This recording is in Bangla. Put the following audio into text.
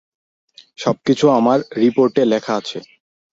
সবকিছু আমার রিপোর্টে লেখা আছে।